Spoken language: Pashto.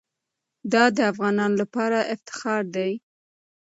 دا د افغانانو لپاره افتخار دی.